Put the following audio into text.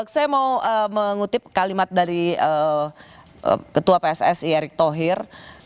saya mau mengutip kalimat dari ketua pssi erick thohir